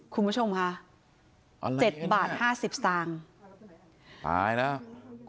คุณผู้ชมค่ะ๗บาท๕๐สตางค์